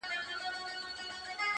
کرۍ ورځ به خلک تلله او راتلله -